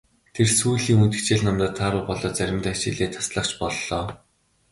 Тэр сүүлийн үед хичээл номдоо тааруу болоод заримдаа хичээлээ таслах ч боллоо.